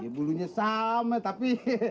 ya bulunya same tapi